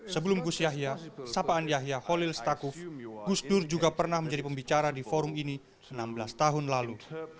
sebelum gus yahya sapaan yahya holil stakuf gus dur juga pernah menjadi pembicara di forum ini enam belas tahun lalu